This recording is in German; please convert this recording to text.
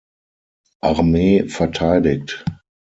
Armee verteidigt.